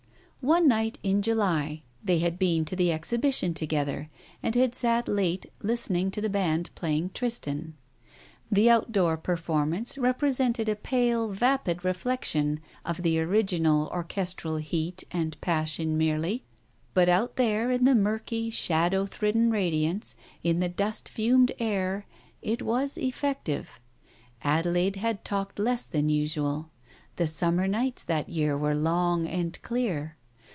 One night in July they had been to the Exhibition together and had sat late listening to the band playing "Tristan." The out door performance represented a pale vapid reflection of the original orchestral heat and pas sion merely, but out there in the murky shadow thridden radiance, in the dust fumed air, it was effective. Adelaide had talked less than usual. The summer nights that year were long and clear.